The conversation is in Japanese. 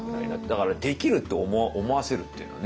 だから「できる」って思わせるっていうのはね。